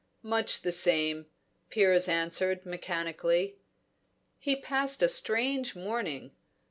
"Much the same," Piers answered mechanically. He passed a strange morning.